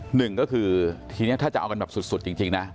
หนึ่งก็คือทีนี้ถ้าจะเอากันแบบสุดจริงนะ